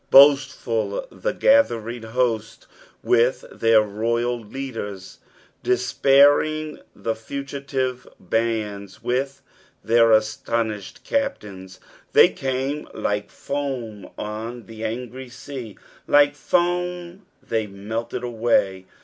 Boastful the gathering hosts with their royal leaders, despair ing the fogitive bands with their astonished capt^ns. They came like foam on the ansry sea, like foam they melted away.